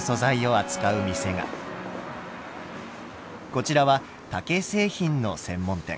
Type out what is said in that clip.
こちらは竹製品の専門店。